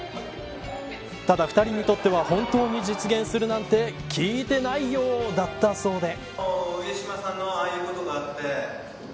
ただ２人にとっては本当に実現するなんて聞いてないよーだったそうで。